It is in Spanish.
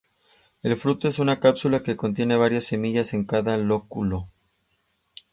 El fruto es una cápsula que contiene varias semillas en cada lóculo.